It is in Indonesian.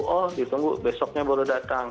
oh ditunggu besoknya baru datang